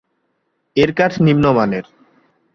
এর কাঠ নিম্নমানের।